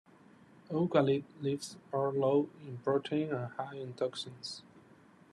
Eucalypt leaves are low in protein and high in toxins.